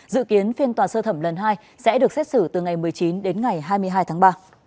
dự kiến phiên tòa sơ thẩm lần hai sẽ được xét xử từ ngày một mươi chín đến ngày hai mươi hai tháng ba